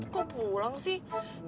kok pulang sih